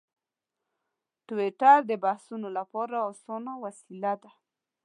ټویټر د بحثونو لپاره اسانه وسیله ده.